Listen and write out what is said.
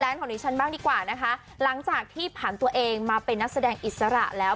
ของดิฉันบ้างดีกว่านะคะหลังจากที่ผ่านตัวเองมาเป็นนักแสดงอิสระแล้ว